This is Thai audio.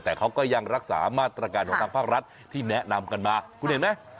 แต่เขาก็ยังรักษามาตรการของทางภาครัฐที่แนะนำกันมาคุณเห็นไหม